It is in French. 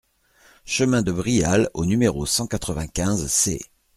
Chemin de Brial au numéro cent quatre-vingt-quinze C